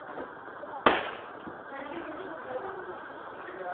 Na evropském šampionátu v Berlíně vybojovala v této disciplíně stříbrnou medaili.